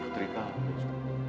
dan mereka harus